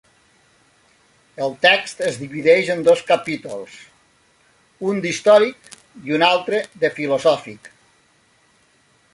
El text es divideix en dos capítols, un d'històric i un altre de filosòfic.